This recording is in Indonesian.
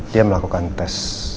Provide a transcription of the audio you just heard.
dia melakukan tes